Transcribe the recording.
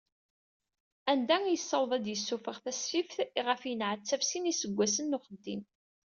Anda yessaweḍ ad yessufeɣ tasfift iɣef yenneɛtab sin n yiseggasen n uxeddim.